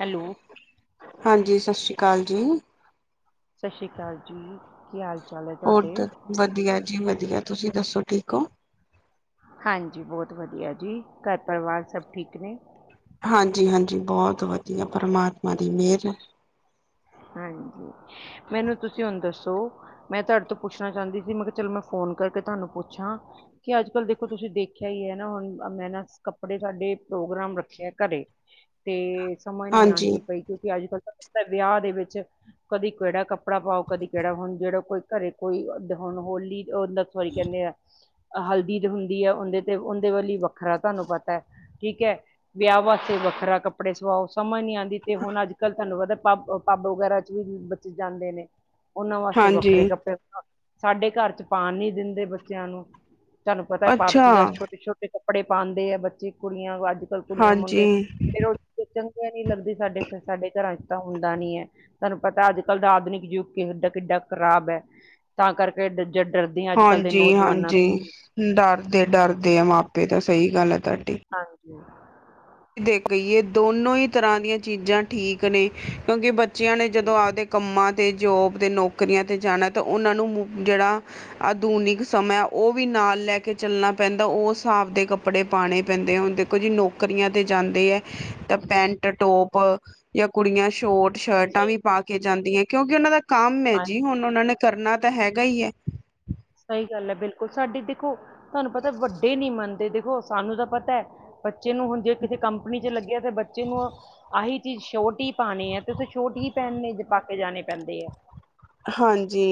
Hello. ਹਾਂਜੀ, ਸਤਿ ਸ਼੍ਰੀ ਅਕਾਲ ਜੀ। ਸਤਿ ਸ਼੍ਰੀ ਅਕਾਲ ਜੀ, ਕੀ ਹਾਲ ਚਾਲ ਹੈ ਹੋਰ ਦ ਤੁਹਾਡੇ? ਵਧੀਆ ਜੀ, ਵਧੀਆ, ਤੁਸੀਂ ਦੱਸੋ ਠੀਕ ਹੋ? ਹਾਂਜੀ ਬਹੁਤ ਵਧੀਆ ਜੀ ਘਰ ਪਰਿਵਾਰ ਸਭ ਠੀਕ ਨੇ? ਹਾਂਜੀ, ਹਾਂਜੀ ਬਹੁਤ ਵਧੀਆ ਪਰਮਾਤਮਾ ਦੀ ਮਿਹਰ ਏ। ਹਾਂਜੀ, ਮੈਨੂੰ ਤੁਸੀਂ ਹੁਣ ਦੱਸੋ? ਮੈਂ ਤੁਹਾਡੇ ਤੋਂ ਪੁੱਛਣਾ ਚਾਹੁੰਦੀ ਸੀ ਮੈਂ ਕਿਹਾ ਚਲੋ ਮੈਂ ਫੋਨ ਕਰਕੇ ਤੁਹਾਨੂੰ ਪੁੱਛਾਂ। ਕੀ ਅੱਜ ਕੱਲ ਦੇਖੋ ਤੁਸੀਂ ਦੇਖਿਆ ਹੀ ਹੈ ਨਾ ਹੁਣ ਮੈਂ ਨਾ ਕੱਪੜੇ ਸਾਡੇ ਪ੍ਰੋਗਰਾਮ ਰੱਖੇ ਘਰੇ। ਤੇ ਸਮਝ ਨੀ ਹਾਂਜੀ ਆਉਂਦੀ ਪਈ। ਕਿਉਂਕਿ ਅੱਜ ਕੱਲ ਤਾਂ ਪੁੱਤਰ ਵਿਆਹ ਦੇ ਵਿੱਚ ਚਲੋ ਕਦੀ ਕਿਹੜਾ ਕੱਪੜਾ ਪਾਓ ਕਦੀ ਕਿਹੜਾ ਹੁਣ ਜਿਹੜਾ ਕੋਈ ਘਰੇ ਕੋਈ ਹੁਣ ਹੋਲੀ। ਉਹ ਨਾ ਸੋਰੀ ਕਹਿੰਦੇ ਆ ਹਲਦੀ ਜੋ ਹੁੰਦੀ ਹੈ ਉਹਦੇਂ ਤੇ ਉਹਦੇਂ ਵੱਲੀ ਵੱਖਰਾ ਤੁਹਾਨੂੰ ਪਤਾ ਹੈ। ਠੀਕ ਹੈ, ਵਿਆਹ ਵਾਸਤੇ ਵੱਖਰਾ ਕੱਪੜੇ ਸਵਾਓ ਸਮਝ ਨੀ ਆਂਦੀ। ਤੇ ਹੁਣ ਅੱਜ ਕੱਲ੍ਹ ਤੁਹਾਨੂੰ ਪਤਾ ਪਬ ਵਗੈਰਾ ਚ ਵੀ ਬੱਚੇ ਜਾਂਦੇ ਨੇ। ਉਹਨਾਂ ਵਾਸਤੇ ਹਾਂਜੀ ਵੱਖਰੇ ਕੱਪੜੇ ਸਾਡੇ ਘਰ ਚ ਪਾਉਣ ਨੀ ਦਿੰਦੇ ਬੱਚਿਆਂ ਨੂੰ। ਤੁਹਾਨੂੰ ਪਤਾ ਪਬ ਅੱਛਾ ਚ ਛੋਟੇ, ਛੋਟੇ ਕੱਪੜੇ ਪਾਉਂਦੇ ਆ ਬੱਚੇ ਕੁੜੀਆਂ ਅੱਜ। ਸਬ ਕੁੜੀਆਂ ਹਾਂਜੀ ਮੁੰਡੇ ਫਿਰ ਚੰਗੇ ਨੀ ਲੱਗਦੀ ਸਾਡੇ, ਸਾਡੇ ਘਰਾਂ ਚ ਤਾਂ ਹੁੰਦਾ ਨੀ ਹੈ। ਤੁਹਾਨੂੰ ਪਤਾ ਅੱਜ ਕੱਲ੍ਹ ਦਾ ਆਧੁਨਿਕ ਯੁੱਗ ਕਿਹੋ ਜਿਹਾ ਕਿੱਡਾ ਖ਼ਰਾਬ ਹੈ। ਤਾਂ ਕਰਕੇ ਜੇ ਡਰਦੀ ਅੱਜ ਕੱਲ੍ਹ ਦੇ ਨੌਜਵਾਨਾਂ ਤੋਂ। ਵੀ। ਡਾਰਦੇ ਡਾਰਦੇ ਆ ਮਾਪੇ ਤਾਂ ਸਹੀ ਗੱਲ ਹੈ ਤੁਹਾਡੀ। ਹਾਂਜੀ ਤੇ ਕਹੀਏ ਦੋਨੋ ਹੀ ਤਰ੍ਹਾਂ ਦੀਆਂ ਚੀਜ਼ਾਂ ਠੀਕ ਨੇ। ਕਿਉਂਕਿ ਬੱਚਿਆਂ ਨੇ ਹਮ, ਜਦੋਂ ਆਪਦੇ। ਕੰਮਾਂ 'ਤੇ ਜੋਬ ਤੇ ਨੌਕਰੀਆਂ 'ਤੇ ਜਾਣਾ ਤਾਂ ਉਹਨਾਂ ਨੂੰ ਮੁ ਜਿਹੜਾ ਆਧੁਨਿਕ ਸਮਾਂ ਉਹ ਵੀ ਨਾਲ ਲੈ ਕੇ ਚੱਲਣਾ ਪੈਂਦਾ। ਉਸ ਹਿਸਾਬ ਦੇ ਕੱਪੜ ਕੱਪੜੇ ਪਾਉਣੇ ਪੈਂਦੇ ਹੁਣ ਦੇਖੋ ਜੀ ਨੌਕਰੀਆਂ। ਤੇ ਜਾਂਦੇ ਹੈ। ਤਾਂ ਪੈਂਟ ਟੋਪ ਜਾਂ ਕੁੜੀਆਂ ਸ਼ੋਟ ਸ਼ਰਟਾਂ ਸਹੀ ਵੀ ਪਾ ਕੇ। ਕੇ ਜਾਂਦੀਆਂ ਹੈ ਕਿਉਂਕਿ ਉਹਨਾਂ ਦਾ ਕੰਮ ਹੈ ਜੀ ਹਾਂਜੀ ਹੁਣ ਉਹਨਾਂ ਨੇ ਕਰਨਾ ਤਾਂ ਹੈਗਾ ਹੀ ਹੈ। ਸਹੀ ਗੱਲ ਹੈ ਬਿਲਕੁਲ ਸਾਡੀ ਦੇਖੋ ਤੁਹਾਨੂੰ ਪਤਾ ਵੱਡੇ ਨੀ ਮੰਨਦੇ ਦੇਖੋ ਸਾਨੂੰ ਤਾਂ ਪਤਾ ਹੈ। ਬੱਚੇ ਨੂੰ ਹੁਣ ਜੇ ਕਿਸੇ ਕੰਪਨੀ ਚ ਲੱਗੇ ਆ ਤੇ ਬੱਚੇ ਨੂੰ। ਆਹੀ ਚੀਜ਼ ਸ਼ੋਰਟ ਹੀ ਪਾਉਣੀ ਹੈ ਤੇ ਉੱਥੇ ਸ਼ੋਰਟ ਹੀ ਪਹਿਨੇ ਪਾ ਕੇ ਜਾਣੇ ਪੈਂਦੇ ਆ। ਹਾਂਜੀ।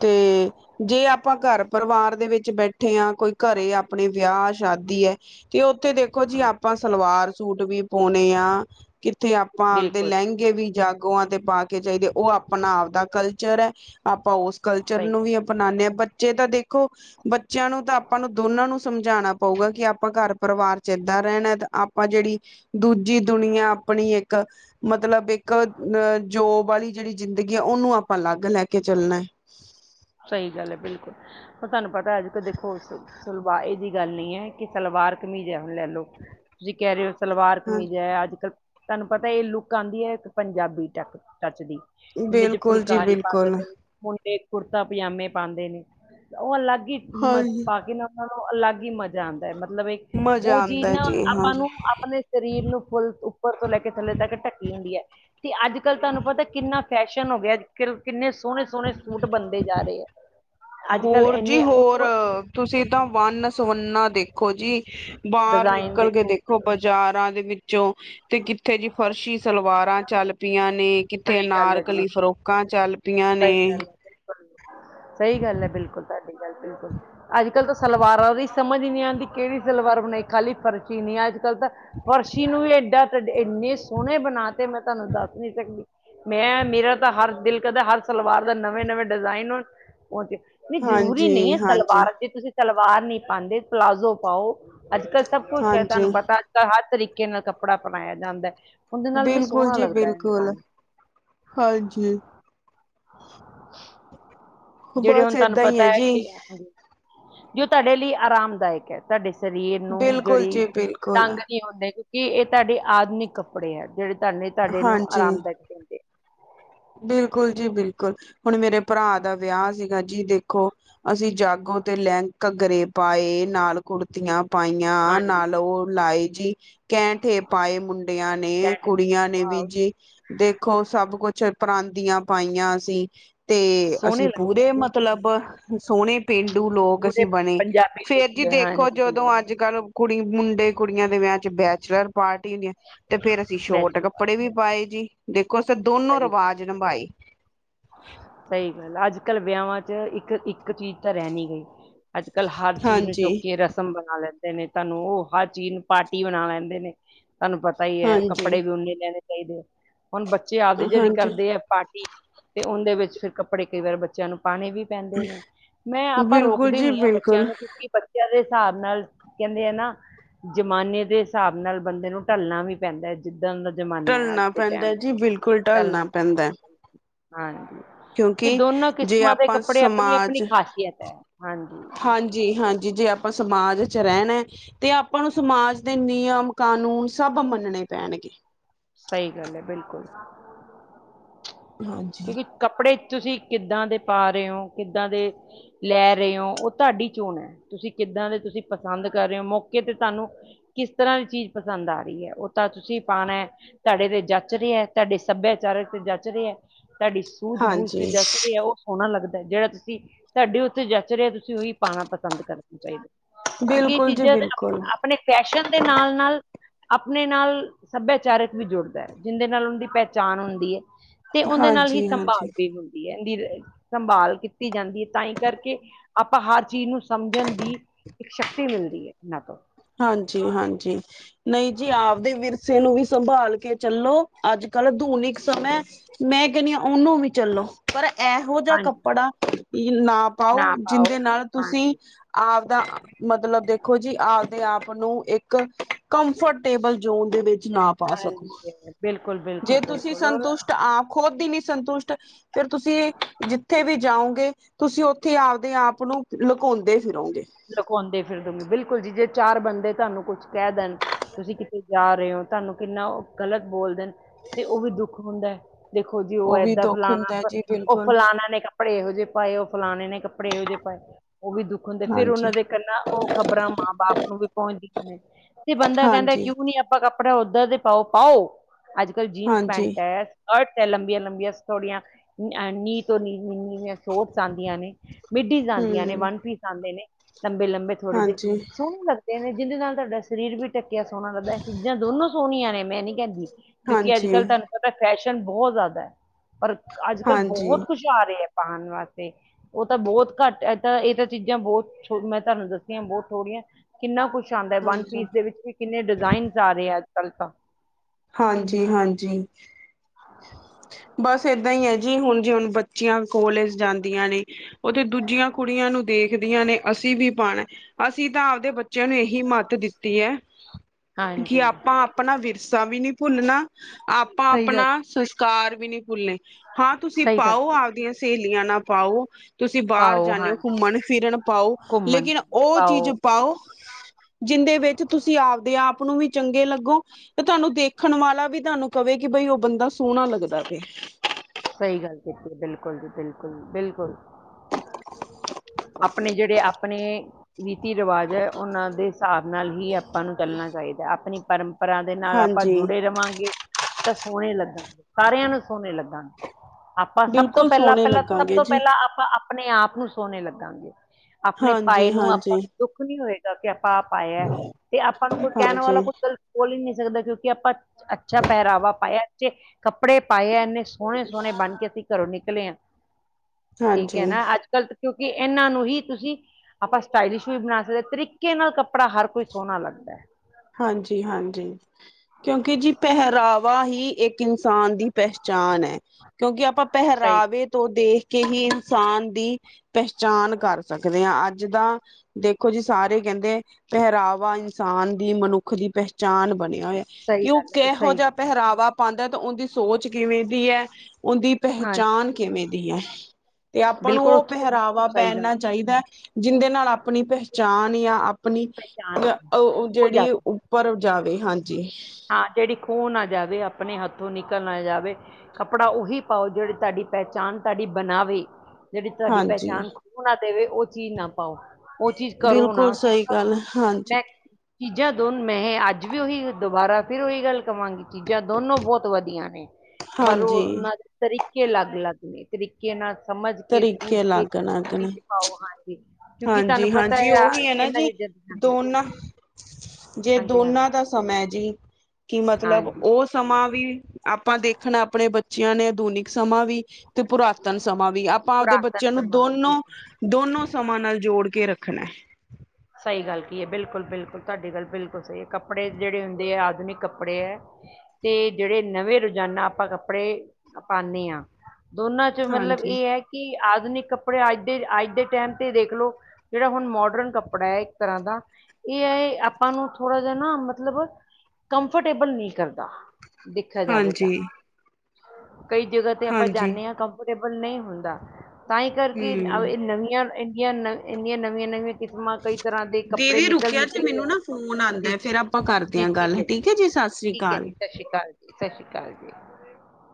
ਤੇ ਜੇ ਆਪਾਂ ਘਰ ਪਰਿਵਾਰ ਦੇ ਵਿੱਚ ਬੈਠੇ ਹਾਂ ਕੋਈ ਘਰੇ ਆਪਣੇ ਵਿਆਹ- ਸ਼ਾਦੀ ਹੈ ਤੇ ਉੱਥੇ ਦੇਖੋ ਜੀ ਹੈ ਆਪਾਂ ਸਲਵਾਰ ਸੂਟ ਵੀ ਪਾਉਣੇ ਆ ਕਿੱਥੇ ਆਪਾਂ ਆਪਦੇ ਬਿਲਕੁਲ ਲਹਿੰ ਕਿਤੇ ਵੀ ਜਾਗੋਆਂ ਤੇ ਪਾ ਕੇ ਜਾਈਦਾ, ਉਹ ਆਪਣਾ ਆਪਦਾ ਕਲਚਰ ਹੈ, ਆਪਾਂ ਉਸ ਕਲਚਰ ਸਹੀ ਨੂੰ ਵੀ ਅਪਣਾਉਂਦੇ ਹਾਂ, ਬੱਚੇ ਤਾਂ ਦੇਖੋ। ਬੱਚਿਆਂ ਨੂੰ ਤਾਂ ਆਪਾਂ ਨੂੰ ਦੋਨਾਂ ਨੂੰ ਸਮਝਾਉਣਾ ਪਊਗਾ ਕਿ ਆਪਾਂ ਘਰ ਪਰਿਵਾਰ 'ਚ ਇੱਦਾਂ ਰਹਿਣਾ ਤੇ ਆਪਾਂ ਜਿਹੜੀ ਦੂਜੀ ਦੁਨੀਆਂ ਆਪਣੀ ਇੱਕ ਮਤਲਬ ਇੱਕ ਅਹ ਜੋਬ ਵਾਲੀ ਜਿਹੜੀ ਜ਼ਿੰਦਗੀ ਏ ਉਹਨੂੰ ਆਪਾਂ ਅਲੱਗ ਲੈ ਕੇ ਚੱਲਣਾ ਹੈ [inaudible] ਸਹੀ ਗੱਲ ਹੈ ਬਿਲਕੁਲ ਪਰ ਤੁਹਾਨੂੰ ਪਤਾ ਅੱਜ -ਕੱਲ ਦੇਖੋ ਸਲਵਾਰ ਇਹ ਜਿਹੀ ਗੱਲ ਨਹੀਂ ਹੈ ਕਿ ਸਲਵਾਰ ਕਮੀਜ਼ ਏ ਹੁਣ ਲੈ ਲਓ ਤੁਸੀਂ ਕਹਿ ਰਹੇ ਹੋ ਸਲਵਾਰ ਹਾਂ ਕਮੀਜ਼ ਹੈ ਅੱਜ ਕੱਲ ਤੁਹਾਨੂੰ ਪਤਾ ਇਹ ਲੁੱਕ ਆਉਂਦੀ ਏ ਪੰਜਾਬੀ ਟ ਟੱਚ ਦੀ, ਜਿਹਦੇ 'ਚ ਬਿਲਕੁਲ ਜੀ ਫੁਲਕਾਰੀ ਪਾ ਬਿਲਕੁਲ ਕੇ ਮੁੰਡੇ ਕੁੜਤਾ ਪਜਾਮੇ ਪਾਉਂਦੇ ਨੇ, ਉਹ ਅਲੱਗ ਹੀ ਹਾਂਜੀ ਪਾ ਕੇ ਨਾ ਨੂੰ ਅਲੱਗ ਹੀ ਮਜ਼ਾ ਆਉਂਦਾ ਹੈ, ਮਤਲਬ ਇੱਕ ਮਜ਼ਾ ਉਹ ਚੀਜ਼ ਆਉਂਦਾ ਨਾ ਜੀ ਆਪਾਂ ਹਾਂਜੀ ਨੂੰ ਆਪਣੇ ਸਰੀਰ ਨੂੰ ਫੁੱਲ ਉੱਪਰ ਤੋਂ ਲੈ ਕੇ ਥੱਲੇ ਤੱਕ ਢੱਕੀ ਹੁੰਦੀ ਹੈ। ਤੇ ਅੱਜ ਕੱਲ੍ਹ ਤੁਹਾਨੂੰ ਪਤਾ ਕਿੰਨਾ ਫੈਸ਼ਨ ਹੋ ਗਿਆ, ਕਿੰਨੇ ਸੋਹਣੇ, ਸੋਹਣੇ ਸੂਟ ਬਣਦੇ ਜਾ ਰਹੇ ਆ। ਹੋਰ ਜੀ ਹੋਰ, ਤੁਸੀਂ ਤਾਂ ਵੰਨ ਸਵੰਨਾ ਦੇਖੋ ਜੀ ਬਾਹਰ ਨਿਕਲ ਕੇ ਦੇਖ ਦੇਖੋ ਬਾਜ਼ਾਰਾਂ ਦੇ ਵਿੱਚੋਂ, ਤੇ ਕਿੱਥੇ ਜੀ ਫਰਸ਼ੀ ਸਲਵਾਰਾਂ ਚੱਲ ਪਈਆਂ ਨੇ ਕਿੱਥੇ ਸਹੀ ਗੱਲ ਹੈ ਜੀ ਅਨਾਰਕਲੀ ਫਰੋਕਾਂ ਚੱਲ ਪਈਆਂ ਸਹੀ ਨੇ ਗੱਲ ਬਿਲਕੁਲ ਸਹੀ ਗੱਲ ਹੈ ਬਿਲਕੁਲ ਤੁਹਾਡੀ ਗੱਲ ਬਿਲਕੁਲ ਅੱਜ ਕੱਲ੍ਹ ਤਾਂ ਸਲਵਾਰਾਂ ਦੀ ਸਮਝ ਹੀ ਨਹੀਂ ਆਉਂਦੀ, ਕਿਹੜੀ ਸਲਵਾਰ ਬਣਾਈ ਖਾਲੀ ਫਰਚੀ ਨਹੀਂ ਆ ਅੱਜ ਚੱਲਦਾ, ਫਰਸ਼ੀ ਨੂੰ ਵੀ ਏਡਾ ਸਾਡੇ ਇੰਨੇ ਸੋਣੇ ਬਣਾ ਤੇ ਮੈਂ ਤੁਆਨੂੰ ਦੱਸ ਨੀ ਸਕਦੀ ਮੈਂ ਮੇਰਾ ਤਾਂ ਹਰ ਦਿਲ ਕਰਦਾ ਹਰ ਸਲਵਾਰ ਦਾ ਨਵੇਂ ਨਵੇਂ ਡਿਜ਼ਾਇਨ, ਪਹੁੰਚਿਆ ਨਹੀਂ ਜ਼ਰੂਰੀ ਨਹੀਂ ਹਾਂਜੀ ਹੈ ਹਾਂਜੀ ਸਲਵਾਰ ਜੇ ਤੁਸੀਂ ਸਲਵਾਰ ਨੀ ਪਾਉਂਦੇ, ਪਲਾਜ਼ੋ ਪਾਓ, ਅੱਜ- ਕੱਲ੍ਹ ਸਭ ਕੁਛ ਹੈ ਹਾਂਜੀ ਤੁਹਾਨੂੰ ਪਤਾ ਤਾਂ, ਹਰ ਤਰੀਕੇ ਨਾਲ ਕੱਪੜਾ ਪਣਾਇਆ ਜਾਂਦਾ। ਉਹਦੇ ਨਾਲ ਵੀ ਬਿਲਕੁਲ ਸੋਹਣਾ ਜੀ ਲੱਗਦਾ ਹੈ ਇਨਸਾਨ। ਜੀ ਜਿਹੜੇ ਬਸ ਹੁਣ ਤੁਹਾਨੂੰ ਏਦਾਂ ਹੀ ਪਤਾ ਹੈ ਜੀ ਕਿ ਜੋ ਤੁਹਾਡੇ ਲਈ ਆਰਾਮਦਾਇਕ ਹੈ। ਤੁਹਾਡੇ ਸਰੀਰ ਨੂੰ ਬਿਲਕੁਲ ਜਿਹੜੀ, ਜੀ ਬਿਲਕੁਲ ਤੰਗ ਨਹੀਂ ਹੁੰਦੇ ਕਿ ਇਹ ਤੁਹਾਡੇ ਆਧੁਨਿਕ ਕੱਪੜੇ ਆ, ਜਿਹੜੇ ਤੁਹਾਨੂੰ ਤੁਹਾਡੇ ਨੂੰ ਹਾਂਜੀ ਆਰਾਮਦਾਇਕ ਦਿੰਦੇ। ਬਿਲਕੁਲ ਜੀ ਬਿਲਕੁਲ, ਹੁਣ ਮੇਰੇ ਭਰਾ ਦਾ ਵਿਆਹ ਸੀਗਾ ਜੀ, ਦੇਖੋ ਅਸੀਂ ਜਾਗੋ ਤੇ ਲੈਂਗ ਘੱਗਰੇ ਪਾਏ, ਨਾਲ ਕੁੜਤੀਆਂ ਪਾਈਆਂ। ਹਾਂਜੀ ਨਾਲ ਉਹ ਲਾਏ ਜੀ ਕੈਂਟ ਗਿੱਧੇ ਪਾਏ ਮੁੰਡਿਆਂ ਨੇ, ਕੈਂਠ ਕੁੜੀਆਂ ਨੇ ਵਾਓ ਵੀਜੀ ਦੇਖੋ ਸਭ ਕੁਛ ਪਰਾਂਦੀਆਂ ਪਾਈਆਂ ਸੀਂ ਤੇ ਅਸੀਂ, ਸੋਹਣੇ ਲੱਗਦਾ ਪੂਰੇ ਹੈ ਮਤਲਬ, ਹਮ, ਸੋਹਣੇ ਪੇਂਡੂ ਲੋਕ ਪੂਰੇ ਅਸੀਂ ਬਣੇ। ਪੰਜਾਬੀ ਲੁੱਕ ਫੇਰ ਜੀ ਦੇਖੋ ਹਾਂਜੀ ਜਦੋਂ ਬਿਲਕੁਲ ਅੱਜ ਅੱਜ- ਕੱਲ ਕੁੜੀ ਮੁੰਡੇ ਕੁੜੀਆਂ ਦੇ ਵਿਆਹ 'ਚ ਬੈਚਲਰ ਪਾਰਟੀ ਨੇ, ਤੇ ਫੇਰ ਅਸੀਂ ਸ਼ਛੋਟ ਬੈਸਟ ਕੱਪੜੇ ਵੀ ਪਾਏ ਜੀ, ਦੇਖੋ ਅਸੀਂ ਦੋਨੋ ਰਿਵਾਜ਼ ਸਹੀ ਨਿਭਾਏ ਸਹੀ ਗੱਲ, ਅੱਜ- ਕੱਲ੍ਹ ਵਿਆਹਾਂ 'ਚ ਇੱਕ, ਇੱਕ ਚੀਜ਼ ਤਾਂ ਰਹਿ ਨੀ ਗਈ ਅੱਜ ਕੱਲ੍ਹ ਹਰ ਚੀਜ਼ ਨੂੰ ਚੁੱਕ ਹਾਂਜੀ, ਕੇ ਰਸਮ ਬਣਾ ਲੈਂਦੇ ਨੇ ਤੁਹਾਨੂੰ ਉਹ, ਹਰ ਚੀਜ਼ ਨੂੰ ਪਾਰਟੀ ਬਣਾ ਲੈਂਦੇ ਨੇ, ਤੁਹਾਨੂੰ ਪਤਾ ਹੀ ਹੈ ਹਾਂਜੀ, ਕੱਪੜੇ ਵੀ ਓਹਨੇ ਲੈਣੇ ਚਾਹੀਦੇ ਹੁਣ ਬੱਚੇ ਆਪਦਿ ਜਿਦ ਵੀ ਹਾਂਜੀ। ਕਰਦੇ ਹੈ। ਪਾਰਟੀ, ਤੇ ਉਹਦੇ ਵਿੱਚ ਫਿਰ ਕੱਪੜੇ ਕਈ ਵਾਰ ਬੱਚਿਆਂ ਨੂੰ ਪਾਉਣੇ ਵੀ ਪੈਂਦੇ ਨੇ, ਮੈਂ ਆਪਾਂ ਬਿਲਕੁਲ ਰੋਕਦੇ ਜੀ ਨੀ ਹਾਂ ਬੱਚਿਆਂ ਬਿਲਕੁਲ ਨੂੰ ਕਿਉਂਕਿ ਬੱਚਿਆਂ ਦੇ ਹਿਸਾਬ ਨਾਲ, ਕਹਿੰਦੇ ਆ ਨਾ ਜ਼ਮਾਨੇ ਦੇ ਹਿਸਾਬ ਨਾਲ ਬੰਦੇ ਨੂੰ ਢਲਣਾ ਵੀ ਪੈਂਦਾ, ਜਿੱਦਾਂ ਦਾ ਜਮਾਨਾ ਹੈ, ਅੱਜ ਢਲਣਾ ਦੇ ਟਾਈਮ ਪੈਂਦਾ ਜੀ ਬਿਲਕੁਲ ਚੱਲਣਾ ਢਲਣਾ ਪੈਂਦਾ ਹਾਂਜੀ ਕਿ ਕਿਉਂਕਿ, ਦੋਨੋਂ ਜੇ ਕਿਸਮਾਂ ਦੇ ਆਪਾਂ ਕੱਪੜੇ ਆਪਣੀ ਆਪਣੀ ਸਮਾਜ ਖ਼ਾਸੀਅਤ ਹੈ ਹਾਂਜੀ ਹਾਂਜੀ-ਹਾਂਜੀ, ਜੇ ਆਪਾਂ ਸਮਾਜ 'ਚ ਰਹਿਣਾ ਏ ਤੇ, ਆਪਾਂ ਨੂੰ ਸਮਾਜ ਦੇ ਨਿਯਮ ਕਾਨੂੰਨ ਸਭ ਮੰਨਣੇ ਪੈਣਗੇ। ਸਹੀ ਗੱਲ ਏ ਬਿਲਕੁਲ। ਹਾਂਜੀ। ਕਿਉਂਕਿ ਕੱਪੜੇ ਤੁਸੀਂ ਕਿੱਦਾਂ ਦੇ ਪਾ ਰ‌ਏ ਓ ਕਿੱਦਾਂ ਦੇ ਲੈ ਰਹੇ ਓ ਉਹ ਤ੍ਹ‌ਾਡੀ ਚੋਣ ਐ। ਤੁਸੀਂ ਕਿੱਦਾਂ ਦੇ ਤੁਸੀਂ ਪਸੰਦ ਕਰ ਰ‌ਏ ਓਂ ਮੌਕੇ ਤੇ ਤ੍ਹ‌ਾਨੂੰ ਕਿਸ ਤਰ੍ਹਾਂ ਦੀ ਚੀਜ਼ ਪਸੰਦ ਆ ਰ‌ਈ ਆ, ਉਹ ਤਾਂ ਤੁਸੀਂ ਪਾਣਾਂ ਏ। ਤ੍ਹ‌ਾਡੇ ਤੇ ਜੱਚ ਰਿਆ, ਤ੍ਹ‌ਾਡੇ ਸੱਭਿਆਚਾਰਕ ਤੇ ਜੱਚ ਰਿਆ, ਤ੍ਹ‌ਾਡੀ ਸੂਝ- ਬੂਝ ਤੇ ਹਾਂਜੀ, ਜੱਚ ਤੇ ਉਹ ਸੋਹਣਾ ਲੱਗਦਾ ਐ, ਜਿਹੜਾ ਤੁਸੀਂ ਤ੍ਹ‌ਾਡੇ ਉੱਤੇ ਜੱਚ ਰਿ‌ਆ ਤੁਸੀਂ ਉਹੀ ਪਾਣਾਂ ਪਸੰਦ ਕਰਦੇ ਚਾਹੀਦਾ, ਕਿਉਂਕਿ ਇਹ ਬਿਲਕੁਲ ਜੀ ਚੀਜ਼ਾਂ ਦੇ ਬਿਲਕੁਲ ਆਪਣੇ ਫੈਸ਼ਨ ਦੇ ਨਾਲ-ਨਾਲ ਆਪਣੇ ਨਾਲ ਸੱਭਿਆਚਾਰਕ ਵੀ ਜੁੜਦਾ ਐ, ਜਿੰਦੇਂ ਨਾਲ ਉਂਦੀ ਪਹਿਚਾਣ ਹੁੰਦੀ ਏ। ਉਹਦੇ ਨਾਲ ਹੀ ਹਾਂਜੀ, ਸੰਭਾਲ ਹਾਂਜੀ। ਵੀ ਹੁੰਦੀ ਐ, ਇਹਦੀ ਸੰਭਾਲ ਕੀਤੀ ਜਾਂਦੀ ਏ ਤਾਂ ਈ ਕਰਕੇ ਆਪਾਂ ਹਰ ਚੀਜ਼ ਨੂੰ ਸਮਝਣ ਦੀ ਇੱਕ ਸ਼ਕਤੀ ਮਿਲਦੀ ਏ, ਇਹਨਾਂ ਤੋਂ ਹਾਂਜੀ-ਹਾਂਜੀ। ਨਹੀਂ ਜੀ ਆਪਦੇ ਵਿਰਸੇ ਨੂੰ ਵੀ ਸੰਭਾਲ ਕੇ ਚੱਲੋ, ਅੱਜ ਕੱਲ੍ਹ ਆਧੁਨਿਕ ਸਮਂਯ ਮੈਂ ਕ‌ਹਿਨੀਂ ਆ ਉਹਨੂੰ ਵੀ ਚੱਲੋ, ਪਰ ਇਹੋ ਜਿਹਾ ਹਾਂਜੀ ਕੱਪੜਾ, ਨਾ ਪਾਓ ਨਾ ਜਿੰਦੇ ਨਾਲ ਤੁਸੀਂ ਹਾਂਜੀ ਆਪਦਾ ਮਤਲਬ ਦੇਖੋ ਜੀ ਆਪਦੇ ਆਪ ਨੂੰ ਇੱਕ ਕੰਫ੍ਰਟੇਬਲ ਜ਼ੋਨ ਦੇ ਵਿੱਚ ਨਾ ਪਾ ਸਕੋ। ਹਾਂਜੀ ਬਿਲਕੁਲ- ਬਿਲਕਲ। ਜੇ ਤੁਸੀਂ ਸੰਤੁਸ਼ਟ ਆ, ਖੁਦ ਈ ਨੀ ਸੰਤੁਸ਼ਟ ਫਿਰ ਤੁਸੀਂ ਜਿੱਥੇ ਵੀ ਜਾਂਓਗੇ, ਤੁਸੀਂ ਉੱਥੇ ਆਪਦੇ ਆਪ ਨੂੰ ਲੁਕਾਉਂਦੇ ਫਿਰੋਂਗੇ। ਲੁਕਾਉਂਦੇ ਫਿਰਦੇ ਗੇ ਬਿਲਕੁਲ ਜੀ ਜੇ ਚਾਰ ਬੰਦੇਂ ਤੁਹਾਨੂੰ ਕੁਛ ਕਹਿ ਦੇਣ? ਤੁਸੀਂ ਕਿਤੇ ਜਾ ਰ‌ਏ ਓ ਤ੍ਹ‌ਾਨੂੰ ਕਿੰਨਾ ਓ, ਗ਼ਲਤ ਬੋਲ ਦੇਨ ਤੇ ਉਹ ਵੀ ਦੁੱਖ ਹੁੰਦਾ ਐ। ਦੇਖੋ ਜੀ ਉਹ ਵੀ ਏਦਾਂ ਦੁੱਖ ਹੁੰਦਾ ਫਲਾਣਾ, ਜੀ ਉਹ ਬਿਲਕੁਲ ਫਲਾਣਾ ਨੇ ਕੱਪੜੇ ਇਹੋ ਜੇ ਪਾਏ ਉਹ ਫਲਾਣੇ ਨੇ ਕੱਪੜੇ ਇਹੋ ਜ‌ੇ ਪਾਏ। ਉਹ ਵੀ ਦੁੱਖੁ ਫੇਿਰ ਹਾਂਜੀ ਉਹਨਾਂ ਦੇ ਕੰਨਾ, ਉਹ ਖ਼ਬਰਾਂ ਮਾਂ ਬਾਪ ਨੂੰ ਵੀ ਪਹੁੰਚਦੀਆਂ ਨੇ ਤੇ ਬੰਦਾ ਕਹਿੰਦਾ ਹਾਂਜੀ ਕਿਉਂ ਨੀ ਆਪਾਂ ਕੱਪੜੇ ਉੱਧਰ ਦੇ ਪਾਓ-ਪਾਓ, ਅੱਜ-ਕੱਲ ਜੀਨਸ ਹਾਂਜੀ ਪੈਂਟ ਐ। ਅਰਥ ਐ ਲੰਬੀਆਂ ਲੰਬੀਆਂ ਥੋੜੀਆਂ ਨੀਂਹ ਤੋਂ ਨੀਂ ਨਿੰਆਂ ਸੋਟਸ ਆਂਦੀਆਂ ਨੇ। ਮਿਡੀਜ਼ ਆਂਦੀਆਂ ਨੇ ਹਮ ਵਨ ਪੀਸ ਆਂਦੇ ਨੇ ਲੰਬੇ -ਲੰਬੇ ਥੋੜੇ ਜਿਹੇ, ਹਾਂਜੀ ਸੋਹਣੇ ਲੱਗ ਨੇ ਜਿਹਦੇ ਨਾਲ ਤ੍ਹ‌ਾਡਾ ਸਰੀਰ ਵੀ ਢੱਕਿਆ ਸੋਹਣਾ ਲੱਗਦਾ ਏ। ਚੀਜ਼ਾਂ ਦੋਨੋ ਸੋਣੀਆਂ ਨੇ ਮੈਂ ਨੀ ਕਹਿੰਦੀ। ਕਿਉਂਕਿ ਅੱਜ ਹਾਂਜੀ ਕੱਲ ਤ੍ਹ‌ਾਨੂੰ ਪਤਾ ਫੈਸ਼ਨ ਬਹੁਤ ਜ਼ਾਦਾ ਐ, ਪਰ ਅੱਜ ਕੱਲ੍ਹ ਹਾਂਜੀ ਬਹੁਤ ਕੁਛ ਪਾ ਰਹੇ ਐ ਪਾਂਣ ਵਾਸਤੇ, ਉਹ ਤਾਂ ਬਹੁਤ ਘੱਟ ਤਾਂ ਇਹ ਤਾਂ ਚੀਜ਼ਾਂ ਬਹੁਤ ਮੈਂ ਤ੍ਹ‌ਾਨੂੰ ਦੱਸੀਆਂ ਬਹੁਤ ਥੋੜੀਆਂ, ਕਿੰਨਾ ਕੁਛ ਆਂਦਾ ਵਨ ਹਾਂਜੀ ਪੀਸ ਦੇ ਵਿੱਚ ਵੀ ਕਿੰਨੇ ਡਿਜ਼ਾਇਨਜ਼ ਆ ਰਹੇ ਆ ਅੱਜ ਕੱਲ੍ਹ ਤਾਂ। ਹਾਂਜੀ-ਹਾਂਜੀ। ਬਸ ਏਦਾਂ ਈ ਐ ਜੀ, ਹੁਣ ਜੇ ਹੁਣ ਬੱਚੀਆਂ ਕੋਲੇਜ ਜਾਂਦੀਆਂ ਨੇ ਉਥੇ ਦੂਜੀਆਂ ਕੁੜੀਆਂ ਨੂੰ ਦੇਖਦੀਆਂ ਨੇ ਅਸੀਂ ਵੀ ਪਾਣਾ ਏ ਅਸੀਂ ਤਾਂ ਆਪਦੇ ਬੱਚਿਆਂ ਨੂੰ ਇਹੀ ਮੱਤ ਦਿੱਤੀ ਐ। ਕਿ ਹਾਂਜੀ ਆਪਾਂ ਆਪਣਾ ਵਿਰਸਾ ਵੀ ਨੀ ਭੁੱਲਨਾ। ਆਪਾਂ ਸਹੀ ਆਪਣਾ ਗੱਲ ਸਿਸ ਕਾਰ ਵੀ ਨੀ ਭੁੱਲੇ, ਹਾਂ ਤੁਸੀਂ ਸਹੀ ਗੱਲ ਪਾਓ ਆਪਦੀਆਂ ਸਹੇਲੀਆਂ ਨਾ ਪਾਓ ਤੁਸੀਂ ਬਾਰ ਪਾਓ ਜਾਂਨੇ ਓ ਹਾਂ ਘੁੰਮਣ ਫਿਰਨ ਪਾਓ। ਲੇਕਿਨ ਉਹ ਚੀਜ਼ ਪਾਓ, ਜਿੰਦੇ ਵਿੱਚ ਤੁਸੀਂ ਆਪਦੇ ਆਪ ਨੂੰ ਵੀ ਚੰਗੇ ਲੱਗੋ। ਤੇ ਤ੍ਹ‌ਾਨੂੰ ਦੇਖਣ ਵਾਲਾ ਵੀ ਤ੍ਹ‌ਾਨੂੰ ਕਵੇ ਕਿ ਬਈ ਉਹ ਬੰਦਾ ਸੋਹਣਾ ਲੱਗਦਾ ਵੇ। ਸਹੀ ਗੱਲ ਕੀਤੀ ਏ। ਬਿਲਕੁਲ ਜੀ, ਬਿਲਕੁਲ-ਬਿਲਕੁਲ। ਆਪਣੇ ਜਿਹੜੇ ਆਪਣੇ, ਰੀਤੀ ਰਿਵਾਜ਼ ਐ ਉਹਨਾਂ ਦੇ ਸ੍ਹ‌ਾਬ ਨਾਲ ਹੀ ਅਪ ਆਪਾਂ ਨੂੰ ਚੱਲਣਾ ਚਾਹੀਦਾ। ਆਪਣੀ ਪਰੰਪਰਾ ਦੇ ਨਾਲ ਆਪਾਂ ਹਾਂਜੀ ਜੁੜੇ ਰਵਾਂਗੇ ਤਾਂ ਸੋਹਣੇ ਲੱਗਣਗੇ, ਸਾਰਿਆਂ ਨੂੰ ਸੋਹਣੇ ਲੱਗਾਂਗੇ। ਆਪਾਂ ਸਭ ਤੋਂ ਬਿਲਕੁਲ ਸੋਹਣੇ ਪਹਿਲਾਂ-ਪਹਿਲਾਂ ਸਭ ਲੱਗਾਂਗੇ ਤੋਂ ਜੀ ਪਹਿਲਾਂ ਆਪਾਂ ਆਪਣੇ ਆਪ ਨੂੰ ਸੋਹਣੇੇ ਲੱਗਾਂਗੇ। ਆਪਣੇ ਪਾਏ ਹਾਂਜੀ ਨੂੰ ਆਪਾਂ ਹਾਂਜੀ ਦੁੱਖ ਨੀ ਹੋਏਗਾ ਕਿ ਆਪਾਂ ਆਪ ਪਾਇਆ ਤੇ ਆਪਾਂ ਨੂੰ ਕੋਈ ਕਹਿਣ ਵਾਲਾ ਹਾਂਜੀ ਕੋ ਬੋਲ ਹੀ ਨੀ ਸਕਦਾ ਕਿਉਂਕਿ ਆਪਾਂ ਅੱਛਾ ਪਹਿਰਾਵਾ ਪਾਏ ਅੱਛੇ ਕੱਪੜੇ ਪਾਏ ਇੰਨੇ ਸੋਹਣੇ-ਸੋਹਣੇ ਬਣ ਕੇ ਅਸੀਂ ਘਰੋਂ ਨਿਕਲੇ ਹਾਂ ਠੀਕ ਏ ਹਾਂਜੀ ਨਾ ਅੱਜ ਕੱਲ ਕਿਉਂਕਿ ਇਹਨਾਂ ਨੂੰ ਹੀ ਤੁਸੀਂ ਆਪਾਂ ਸਟਾਈਲਿਸ਼ ਵੀ ਬਣਾ ਸਕਦੇ ਤਰੀਕੇ ਨਾਲ ਕੱਪੜਾ ਹਰ ਕੋਈ ਸੋਹਣਾ ਲੱਗਦਾ। ਹਾਂਜੀ-ਹਾਂਜੀ। ਕਿਉਂਕਿ ਜੀ ਪਹਿਰਾਵਾ ਹੀ ਇੱਕ ਇਨਸਾਨ ਦੀ ਪਹਿਚਾਣ ਐ ਕਿਉਂਕਿ ਆਪਾਂ ਸਹੀ ਪਹਿਰਾਵੇ, ਤੋਂ ਦੇਖ ਕੇ ਹੀ ਇਨਸਾਨ ਦੀ ਪਹਿਚਾਣ ਕਰ ਸਕਦੇ ਹਾਂ ਅੱਜ ਦਾ ਦੇਖੋ ਜੀ ਸਾਰੇ ਕਹਿੰਦੇ ਪਹਿਰਾਵਾ ਇਨਸਾਨ ਦੀ ਮਨੁੱਖ ਦੀ ਪਹਿਚਾਣ ਬਣੇ। ਹੋ ਸਹੀ ਕਿ ਉਹ ਗੱਲ ਹੈ ਕਿਹੋ ਸਹੀ ਜਿਹਾ ਗੱਲ ਹੈ ਪਹਿਰਾਵਾ ਪਾਉਂਦਾ ਤੇ ਉਹਦੀ ਸੋਚ ਕਿਵੇਂ ਦੀ ਐ। ਉਹਦੀ ਹਾਂਜੀ ਪਹਿਚਾਣ ਕਿਵੇਂ ਦੀ ਐ? ਤੇ ਆਪਾਂ ਨੂੰ ਬਿਲਕੁਲ ਉਹ ਉੱਥੋਂ ਪਹਿਰਾਵਾ ਸਹੀ ਗੱਲ ਪਹਿਨਣਾ ਹੈ ਚਾਈਦਾ ਜਿੰਦੇ ਨਾਲ ਆਪਣੀ ਪਹਿਚਾਣ ਜਾਂ ਆ ਆਪਣੀ ਪਹਿਚਾਣ ਉਹ ਹੋ ਜਿਹੜੀ ਜਾਂਦੀ ਉੱਪਰ ਜਾਵੇ ਹਾਂਜੀ। ਹਾਂ ਜਿਹੜੀ ਖੂਹ ਨਾ ਜਾਵੇ ਆਪਣੇ ਹੱਥੋਂ ਨਿਕਲ ਨਾ ਜਾਵੇ। ਕੱਪੜਾ ਉਹੀ ਪਾਓ, ਜਿਹੜੀ ਤੁਹਾਡੀ ਪਹਿਚਾਣ ਤੁਹਾਡੀ ਬਣਾਵੇ। ਜਿਹੜੀ ਤੁਹਾਡੀ ਹਾਂਜੀ ਪਹਿਚਾਣ ਖੋਹ ਨਾ ਦੇਵੇ ਉਹ ਚੀਜ਼ ਨਾ ਪਾਓ। ਉਹ ਚੀਜ਼ ਕਰੋ ਬਿਲਕੁਲ ਨਾ, ਚੀਜ਼ ਸਹੀ ਕਰੋ ਗੱਲ ਹਾਂਜੀ ਮੈਂ ਚੀਜ਼ਾਂ ਦੋ ਮੈਂ ਅੱਜ ਵੀ ਉਹੀ ਦੁਬਾਰਾ ਫਿਰ ਉਹੀ ਗੱਲ ਕਵਾਂਗੀ ਚੀਜ਼ਾਂ ਦੋਨੋ ਬੋਤ ਵਧੀਆ ਨੇ ਪਰ ਹਾਂਜੀ ਉਹਨਾਂ ਦੇ ਤਰੀਕੇ ਲੱਗ-ਲੱਗ ਨੇ ਤਰੀਕੇ ਨਾਲ ਸਮਝ ਕੇ, ਸੂਝ ਤਰੀਕੇ ਕੇ ਅਲੱਗ-ਅਲੱਗ ਨੇ ਚੀਜ਼ ਪਾਓ। ਹਾਂਜੀ ਕਿਉਂਕਿ ਤੁਹਾਨੂੰ ਪਤਾ ਹਾਂਜੀ-ਹਾਂਜੀ ਆ ਉਹੀ ਹੈ ਨਾ ਜੀ ਚੀਜ਼ਾਂ ਦੀ ਹਾਂਜੀ ਦੋਨਾਂ, ਜੇ ਹਾਂਜੀ ਦੋਨਾਂ ਹਾਂਜੀ ਦਾ, ਸਮਾਂ ਜੀ ਕਿ ਮਤਲਬ ਹਾਂਜੀ ਉਸ ਸਮਾਂ ਵੀ ਆਪਾਂ ਦੇਖਣਾ ਆਪਣੇ ਬੱਚਿਆਂ ਨੇ ਆਧੁਨਿਕ ਸਮਾਂ ਵੀ ਤੇ ਪੁਰਾਤਨ ਸਮਾਂ ਵੀ ਆਪਾਂ ਆਪਦੇ ਪੁਰਾਤਨ ਬੱਚਿਆਂ ਨੂੰ ਸਮਾਂ ਬਿਲਕੁਲ ਦੋਨੋ, ਦੋਨੋ ਸਮਾਂ ਨਾਲ ਜੋੜ ਕੇ ਰੱਖਣਾ। ਸਹੀ ਗੱਲ ਕਹੀ ਐ, ਬਿਲਕੁਲ-ਬਿਲਕੁਲ ਤੁਹਾਡੀ ਗੱਲ ਬਿਲਕੁਲ ਸਹੀ ਐ ਕੱਪੜੇ ਜਿਹੜੇ ਹੁੰਦੇ ਆ ਆਧੁਨਿਕ ਕੱਪੜੇ ਐ। ਤੇ ਜਿਹੜੇ ਨਵੇਂ ਰੋਜ਼ਾਨਾ ਆਪਾਂ ਕੱਪੜੇ ਪਾਦੇ ਆ। ਦੋਨਾਂ ਚ ਮਤਲਬ ਹਾਂਜੀ ਇਹ ਐ। ਕਿ ਆਧੁਨਿਕ ਕੱਪੜੇ ਅੱਜ ਦੇ ਅੱਜ ਦੇ ਟੈਮ ਤੇ ਦੇਖਲੋ ਜਿਹੜਾ ਹੁਣ ਮੋਡਰਨ ਕੱਪ ਕੱਪੜਾ ਐ ਇੱਕ ਤਰ੍ਹਾਂ ਦਾ ਇਹ ਏ, ਆਪਾਂ ਨੂੰ ਥੋੜਾ ਜਿ ਨਾ ਮਤਲਬ ਕੰਫਰਟੇਬਲ ਨਹੀਂ ਕਰਦਾ। ਦੇਖਿਆ ਜਾਵੇ ਤਾਂ ਹਾਂਜੀ ਕਈ ਜਗ੍ਹਾ ਤੇ ਆਪਾਂ ਹਾਂਜੀ ਜਾਂਦੇ ਆ। ਸੂਟੇਬਲ ਨਈ ਹੁੰਦਾ ਤਾਂ ਈ ਕਰਕੇ ਹੂੰ ਨਵੀਆਂ ਇੰਡੀਆ ਨ ਇੰਨੀਆਂ ਨਵੀਆਂ-ਨਵੀਆਂ ਕਿਸਮਾਂ ਕਈ ਤਰ੍ਹਾਂ ਦੇ ਕੱਪੜੇ ਦੀਦੀ ਨਿਕਲ ਰੁਕਿਆ ਜੇ ਨਿਕਲੇ ਮੈਨੂੰ ਐ ਨਾ ਫੋਨ ਆਉਂਦਾ ਵਿਚ, ਫੇਰ ਆਪਾਂ ਕਰਦੇ ਹਾਂ ਠੀਕ ਐ ਜੀ ਠੀਕ ਗੱਲ ਐ ਜੀ ਹੈ ਸਤਿ ਸ੍ਰੀ ਠੀਕ ਐ ਅਕਾਲ ਜੀ। ਸਤਿ ਸ਼੍ਰੀ ਅਕਾਲ ਜੀ, ਸਤਿ ਸ਼੍ਰੀ ਅਕਾਲ ਜੀ।